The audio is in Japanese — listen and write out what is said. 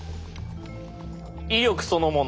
威力そのもの